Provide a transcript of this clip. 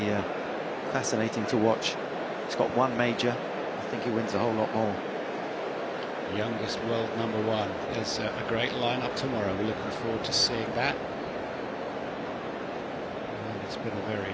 そうですね。